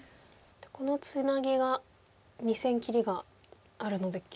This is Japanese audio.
このツナギが２線切りがあるので利くと？